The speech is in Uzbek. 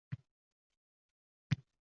Markablarni eshik og‘ziga bog‘ladi